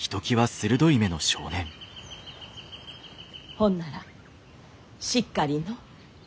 ほんならしっかりのう。